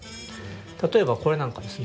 例えばこれなんかですね